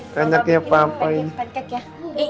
panjaknya papa ini